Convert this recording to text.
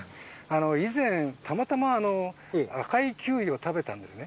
以前、たまたま赤いキウイを食べたんですね。